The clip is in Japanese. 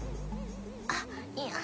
あっいや。